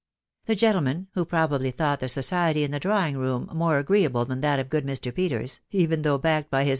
The gentlemen, who probably thought the society in the drawing room more agreeable than that of good Mr. Peters, even though backed by his.